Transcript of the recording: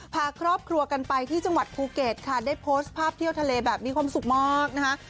พาครอบครัวกันไปที่จังหวัดภูเก็ตค่ะได้โพสต์ภาพเที่ยวทะเลแบบนี้ความสุขมากนะคะ